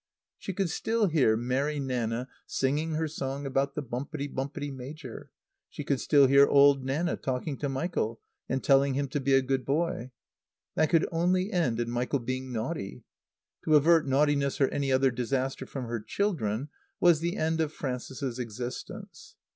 She could still hear Mary Nanna singing her song about the Bumpetty Bumpetty Major. She could still hear Old Nanna talking to Michael and telling him to be a good boy. That could only end in Michael being naughty. To avert naughtiness or any other disaster from her children was the end of Frances's existence.